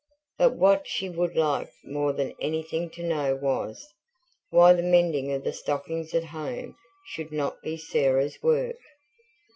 But what she would like more than anything to know was, why the mending of the stockings at home should NOT be Sarah's work?